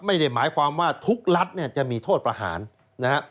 ไม่ได้หมายความว่าทุกรัฐจะมีโทษประหารนะครับ